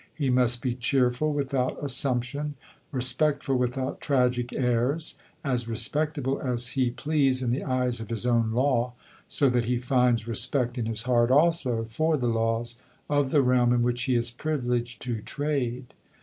He must be cheerful without assumption, respectful without tragic airs, as respectable as he please in the eyes of his own law, so that he finds respect in his heart also for the laws of the realm in which he is privileged to trade.